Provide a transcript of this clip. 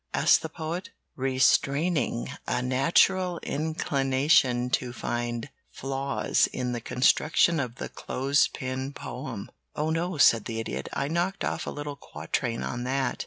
asked the Poet, restraining a natural inclination to find flaws in the construction of the clothes pin poem. "Oh no," said the Idiot, "I knocked off a little quatrain on that.